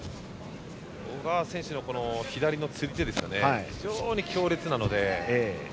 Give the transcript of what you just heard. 小川選手の左の釣り手非常に強烈なので。